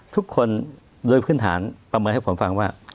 ทุกคนโดยพื้นฐานประเมินให้ผมฟังว่า